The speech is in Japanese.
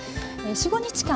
４５日間